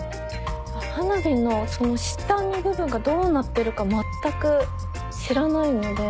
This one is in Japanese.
花火の下の部分がどうなってるか全く知らないので。